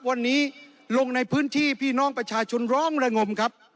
วันนี้ลงในพื้นที่พี่น้องประชาชนร้องระงมครับ